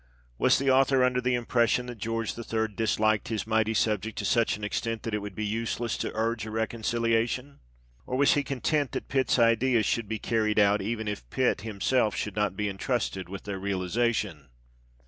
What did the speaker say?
Was the author under the impression that George III. disliked his mighty subject to such an extent that it would be useless to urge a reconciliation ? Or was he content that Pitt's ideas should be carried out, even if Pitt himself should not be entrusted with their realization